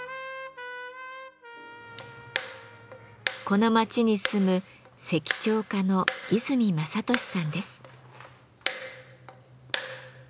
この町に住む石彫家の和泉正敏さんです。